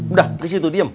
udah di situ diem